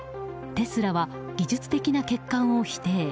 テスラは技術的な欠陥を否定。